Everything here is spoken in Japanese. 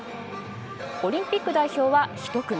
オリンピック代表は１組。